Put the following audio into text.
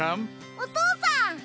お父さん！